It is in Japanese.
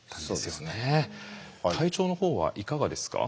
体調のほうはいかがですか？